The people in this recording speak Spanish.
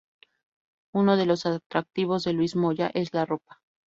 Uno de los atractivos de Luis Moya es la ropa.